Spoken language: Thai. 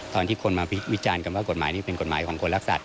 ตอนที่คนมาวิจารณ์กันว่ากฎหมายนี่เป็นกฎหมายของคนรักสัตว